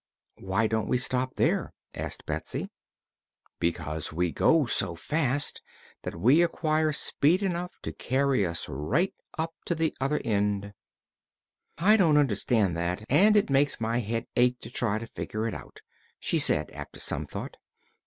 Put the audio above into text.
"Why don't we stop there?" asked Betsy. "Because we go so fast that we acquire speed enough to carry us right up to the other end." "I don't understand that, and it makes my head ache to try to figure it out," she said after some thought.